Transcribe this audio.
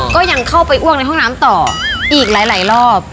ก็ยังเข้าไปอ้วกในห้องน้ำต่ออีกหลายรอบ